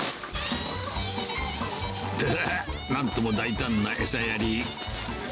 なんとも大胆な餌やり。